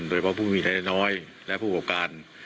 โดยเฉพาะผู้มีในน้อยและผู้ปกการ